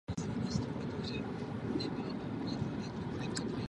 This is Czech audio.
Jedinečné jméno dostal za účelem vyjednávání s lidmi za společenstvo Borg.